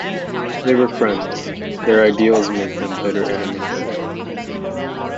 They were friends; their ideals make them bitter enemies.